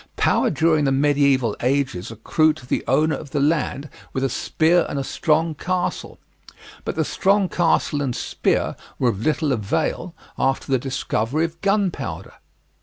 Power during the medieval ages accrued to the owner of the land with a spear and a strong castle; but the strong castle and spear were of little avail after the discovery of gunpowder.